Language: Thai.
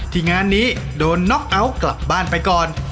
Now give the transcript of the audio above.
งานนี้โดนน็อกเอาท์กลับบ้านไปก่อน